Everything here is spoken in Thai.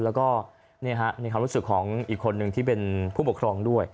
และในความรู้สึกของพวกอีกคนหนึ่งที่เป็นผู้บกครองด้วย